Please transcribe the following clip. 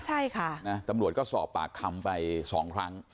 ใช่ค่ะนะตำรวจก็สอบปากคำไปสองครั้ง